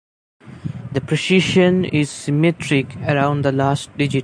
The precision is symmetric around the last digit.